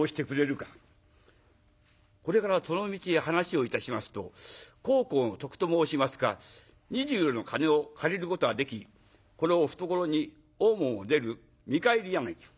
これからその道に話をいたしますと孝行の徳と申しますか２０両の金を借りることができこれを懐に大門を出る見返り柳。